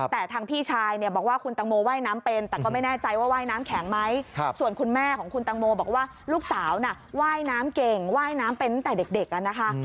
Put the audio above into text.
แต่ทางพี่ชายเนี่ยบอกว่าคุณตังโมว่ายน้ำเป็นแต่ก็ไม่แน่ใจว่าว่ายน้ำแข็งไหมส่วนคุณแม่ของคุณตังโมบอกว่าลูกสาวน่ะว่ายน้ำเก่งว่ายน้ำเป็นตั้งแต่เด็กนะคะ